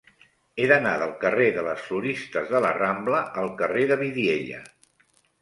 He d'anar del carrer de les Floristes de la Rambla al carrer de Vidiella.